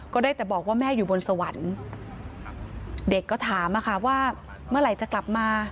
ก็ได้แต่บอกว่าแม่อยู่บนสวรรค์เด็กก็ถามอะค่ะว่าเมื่อไหร่จะกลับมา